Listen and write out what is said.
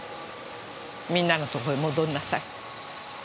みんなのとこへ戻りなさい。